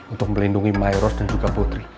untuk melindungi mayoros dan juga putri